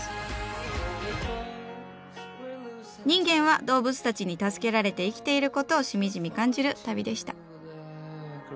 人間は動物たちに助けられて生きていることをしみじみ感じる旅でした。